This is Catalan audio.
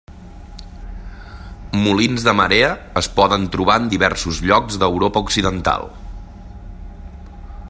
Molins de marea es poden trobar en diversos llocs d'Europa Occidental.